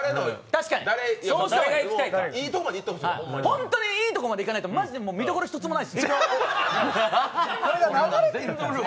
ホントにいいところまでいかないとマジで見どころ一つもない。